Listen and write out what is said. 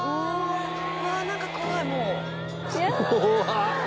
「うわあなんか怖いもう」